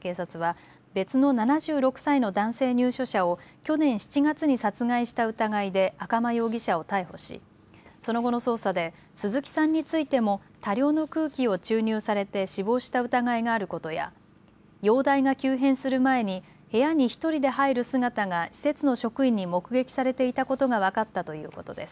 警察は別の７６歳の男性入所者を去年７月に殺害した疑いで赤間容疑者を逮捕しその後の捜査で鈴木さんについても多量の空気を注入されて死亡した疑いがあることや容体が急変する前に部屋に１人で入る姿が施設の職員に目撃されていたことが分かったということです。